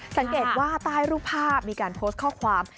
สังเกตว่าใต้รูปภาพมีการโพสต์ข้อความ